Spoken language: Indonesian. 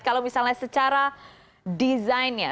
kalau misalnya secara design nya